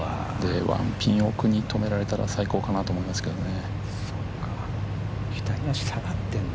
１ピン奥に止められたら最高かなと思いますね。